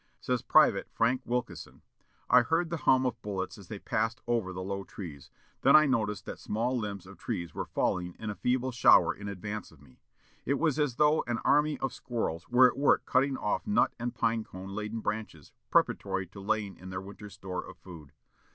Says Private Frank Wilkeson, "I heard the hum of bullets as they passed over the low trees. Then I noticed that small limbs of trees were falling in a feeble shower in advance of me. It was as though an army of squirrels were at work cutting off nut and pine cone laden branches preparatory to laying in their winter's store of food.